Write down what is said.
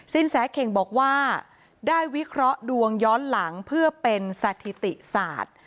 แสเข่งบอกว่าได้วิเคราะห์ดวงย้อนหลังเพื่อเป็นสถิติศาสตร์